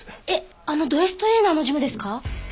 えっあのドＳトレーナーのジムですか！？